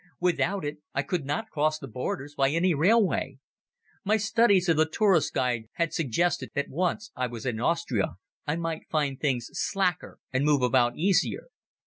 Without it I could not cross the borders by any railway. My studies of the Tourists' Guide had suggested that once I was in Austria I might find things slacker and move about easier.